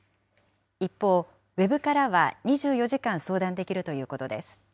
一方、ウェブからは２４時間相談できるということです。